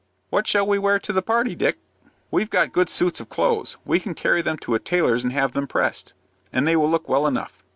"What shall we wear to the party, Dick?" "We've got good suits of clothes. We can carry them to a tailor's and have them pressed, and they will look well enough.